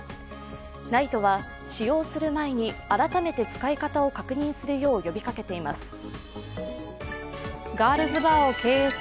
ＮＩＴＥは使用する前に改めて使い方を確認するよう呼びかけています。